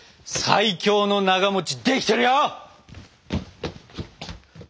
最強のなができてるよ！